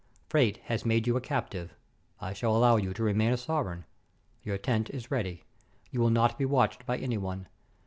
Fate has made you a captive. I shall allow you to remain a sovereign. Your tent is ready. You will not be watched by any one.